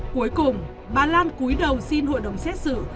cuối cùng bà lan cúi đầu xin hội đồng xét xử